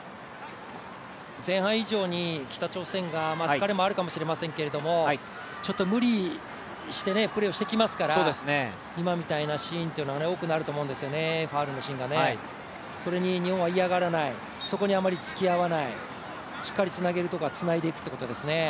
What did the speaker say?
前半以上に北朝鮮が疲れもあるかもしれませんけどちょっと無理してプレーをしてきますから、今みたいなシーンというのは多くなると思うんですよね、ファウルのシーンがね。それに日本は嫌がらない、そこにあまりつきあわない、しっかりつなげるところはつないでいくということですね。